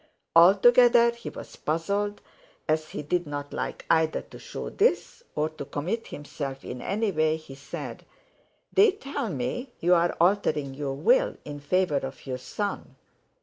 Altogether he was puzzled; as he did not like either to show this, or to commit himself in any way, he said: "They tell me you're altering your Will in favour of your son."